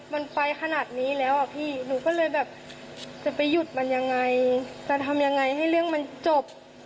มันไปขนาดนี้แล้วอ่ะพี่หนูก็เลยแบบจะไปหยุดมันยังไงจะทำยังไงให้เรื่องมันจบ